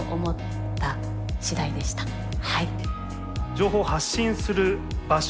情報を発信する場所